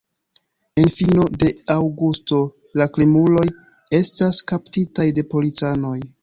En fino de aŭgusto la krimuloj estas kaptitaj de policanoj.